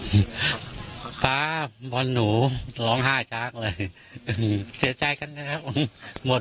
อีกทีไหมครับป๊าบอลหนูร้องห้าชากเลยอืมเสียใจกันนะครับหมด